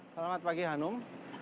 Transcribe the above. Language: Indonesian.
selamat pagi hanum